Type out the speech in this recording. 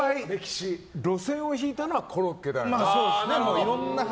路線を引いたのはコロッケだよな。